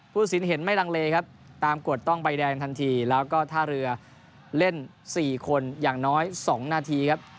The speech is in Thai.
สินเห็นไม่ลังเลครับตามกฎต้องใบแดงทันทีแล้วก็ท่าเรือเล่น๔คนอย่างน้อย๒นาทีครับ